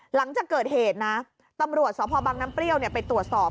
หลังจากเกิดเหตุนะตำรวจสพบังน้ำเปรี้ยวไปตรวจสอบ